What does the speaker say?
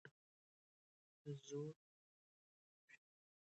د زور پر لومړي توري فشار راځي.